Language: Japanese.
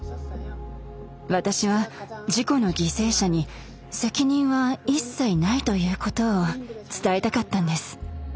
私は事故の犠牲者に責任は一切ないということを伝えたかったんです。